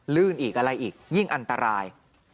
ลื่นอีกอะไรอีกยิ่งอันตราย